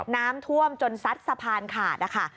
น้ำท่วมจนซัดสะพานขาดนะคะ